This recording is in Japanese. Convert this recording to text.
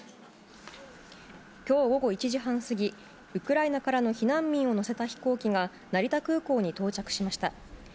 きょう午後１時半過ぎ、ウクライナからの避難民を乗せた飛行機が、成田空港に到着しました。